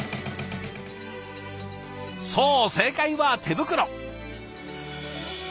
そう正解は手袋。